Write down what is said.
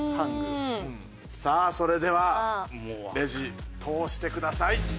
さあそれではレジ通してください。